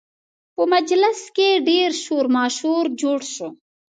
په مجلس کې ډېر شور ماشور جوړ شو